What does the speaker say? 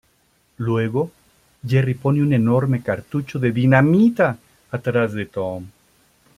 Luego, Jerry pone un enorme cartucho de dinamita atrás de Tom.